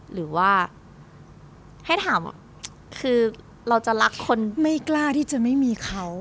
หรือว่าให้ถามคือเราจะรักคนไม่กล้าที่จะไม่มีเขา